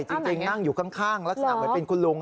จริงนั่งอยู่ข้างลักษณะเหมือนเป็นคุณลุง